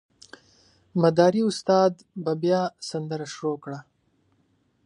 مداري استاد به بیا سندره شروع کړه.